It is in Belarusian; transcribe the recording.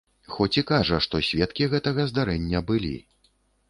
Хоць і кажа, што сведкі гэтага здарэння былі.